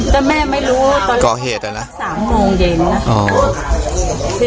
แต่แม่ไม่รู้ตอนยิงตั้งแต่สามโมงเย็นน่ะอ๋อ